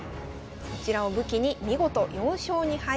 こちらを武器に見事４勝２敗。